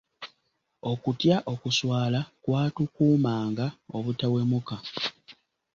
Okutya okuswala kwatukuumanga obutawemuka.